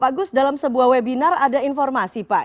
pak gus dalam sebuah webinar ada informasi pak